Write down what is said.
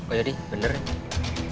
oh jadi bener ya